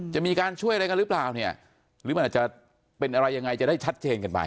จะมีการช่วยอะไรกันหรือเปล่าเนี่ยหรือมันอาจจะเป็นอะไรยังไงจะได้ชัดเจนกันไป